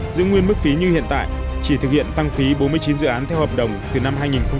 tăng phí như hiện tại chỉ thực hiện tăng phí bốn mươi chín dự án theo hợp đồng từ năm hai nghìn hai mươi hai